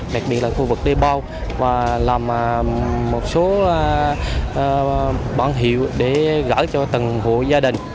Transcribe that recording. đặc biệt là khu vực đê bao và làm một số bản hiệu để gửi cho từng hộ gia đình